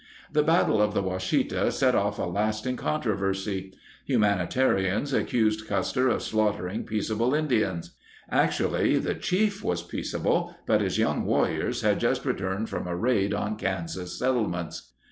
The Battle of the Washita set off a lasting controversy. Humanitarians accused Custer of slaughtering peaceable Indians. (Actually, the chief was peaceable, but his young warriors had just returned from a raid on Kansas settlements.)